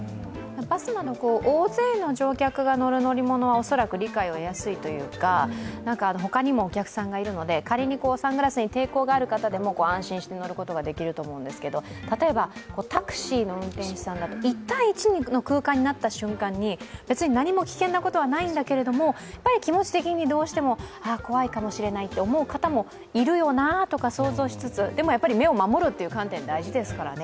バスなど大勢の乗客が乗る乗り物は恐らく理解を得やすいというかほかにもお客さんがいるので仮にサングラスに抵抗がある人でも安心して乗ることができると思うんですが、例えばタクシーの運転手さんだと、１対１の空間になった瞬間に何も危険なことはないんですけど気持ち的にどうしても怖いかもしれないと思う方もいるよなとか想像しつつ、でもやっぱり目を守るという観点は大事ですからね。